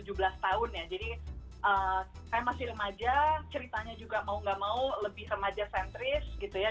jadi saya masih remaja ceritanya juga mau nggak mau lebih remaja sentris gitu ya